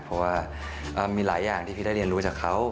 เพราะว่ามีหลายอย่างที่พี่ได้เรียนรู้จากเขา